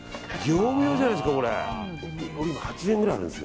業務用じゃないですか、これ。